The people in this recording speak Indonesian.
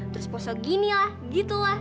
terus posel gini lah gitu lah